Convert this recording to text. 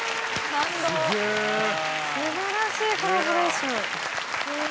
・感動・・すげぇ・素晴らしいコラボレーション。